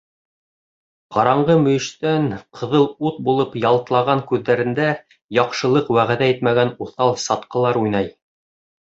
Ҡараңғы мөйөштән ҡыҙыл ут булып ялтлаған күҙҙәрендә яҡшылыҡ вәғәҙә итмәгән уҫал сатҡылар уйнай.